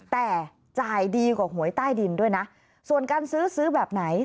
แต่จ่ายดีกว่าหวยใต้ดินด้วยนะส่วนการซื้อซื้อแบบไหน